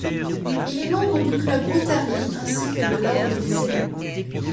Il est membre du club Rotary ainsi que de l’Ordre des Élans.